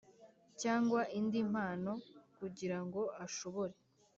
Cyangwa indi mpano kugira ngo ashobore